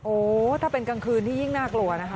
โอ้โหถ้าเป็นกลางคืนนี่ยิ่งน่ากลัวนะคะ